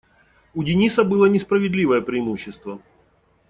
У Дениса было несправедливое преимущество.